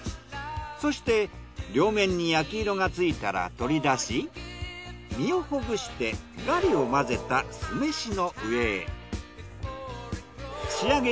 そして両面に焼き色がついたら取り出し身をほぐしてガリを混ぜた酢飯の上へ。